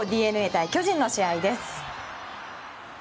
ＤｅＮＡ対巨人の試合です。